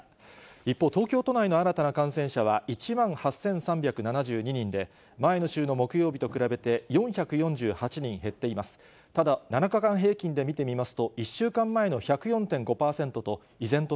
一方、東京都内の新たな感染者は１万８３７２人で、前の週の木曜日と比べて４４８人減っています。ます。